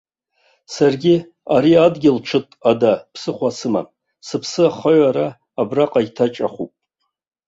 Саргьы ари адгьылҽыҭ ада ԥсыхәа сымам, сыԥсы ахаҩара абраҟа иҭаҵәахуп.